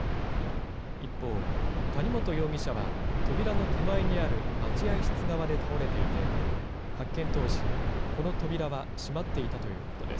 一方、谷本容疑者は扉の手前にある待合室側で倒れていて、発見当時、この扉は閉まっていたということです。